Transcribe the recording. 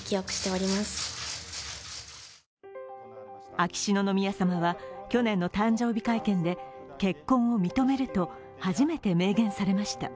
秋篠宮さまは去年の誕生日会見で結婚を認めると初めて明言されました。